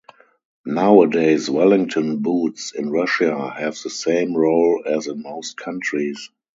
Nowadays, Wellington boots in Russia have the same role as in most countries.